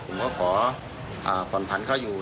ผมก็ขอผ่อนผันเขาอยู่